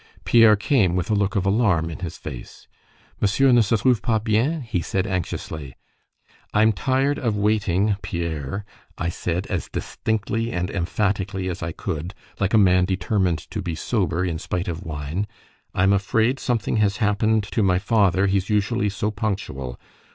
Pierre came with a look of alarm in his face. "Monsieur ne se trouve pas bien?" he said anxiously. "I'm tired of waiting, Pierre," I said, as distinctly and emphatically as I could, like a man determined to be sober in spite of wine; "I'm afraid something has happened to my father he's usually so punctual.